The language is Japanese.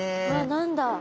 何だ？